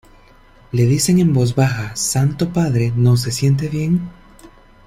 Le dicen en voz baja: "Santo Padre, ¿no se siente bien?